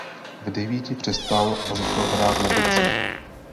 V devíti přestal a začal hrát na bicí.